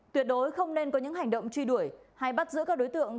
tuyệt đối không nên có những hành động truy đuổi hay bắt giữ các đối tượng